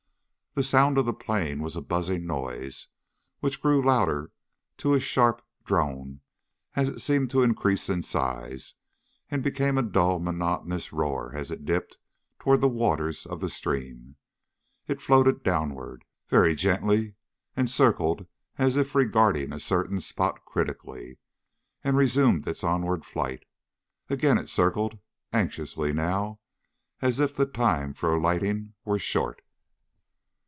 The sound of the plane was a buzzing noise, which grew louder to a sharp drone as it seemed to increase in size, and became a dull monotonous roar as it dipped toward the waters of the stream. It floated downward, very gently, and circled as if regarding a certain spot critically, and resumed its onward flight. Again it circled, anxiously, now, as if the time for alighting were short.